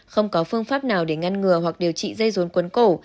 không có phương pháp nào để ngăn ngừa hoặc điều trị dây dốn quấn cổ